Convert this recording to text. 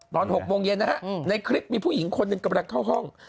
ตอน๖โมงเย็นนะฮะในคลิปมีผู้หญิงคนหนึ่งกำลังเข้าห้อง